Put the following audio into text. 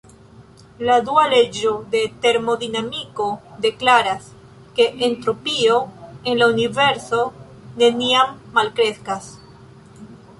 La dua leĝo de termodinamiko deklaras, ke entropio en la Universo neniam malkreskas.